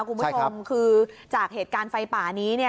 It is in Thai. คุณผู้ชมคือจากเหตุการณ์ไฟป่านี้